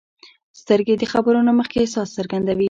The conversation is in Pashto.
سترګې د خبرو نه مخکې احساس څرګندوي